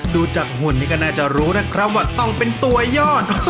ดูจากหุ่นนี่ก็น่าจะรู้นะครับว่าต้องเป็นตัวยอด